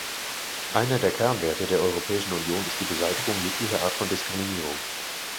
Einer der Kernwerte der Europäischen Union ist die Beseitigung jeglicher Art von Diskriminierung.